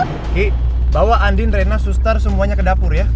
kiki bawa andi nrena sustar semuanya ke dapur ya